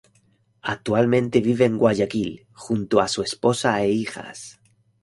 Actualmente vive en Guayaquil junto a su esposa e hijas.